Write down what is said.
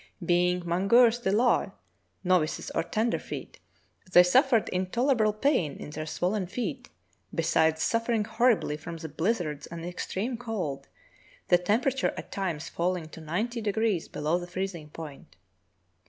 Being mangeurs de lard (novices or tender feet), they suffered intolerable pain in their swollen feet, besides suffering horribly from the blizzards and extreme cold, the temperature at times falling to ninety degrees below the freezing point.